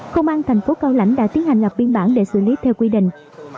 công an thành phố cao lãnh đã tiến hành lập biên bản để xử lý theo quy định